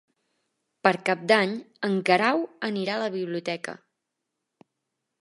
Per Cap d'Any en Guerau anirà a la biblioteca.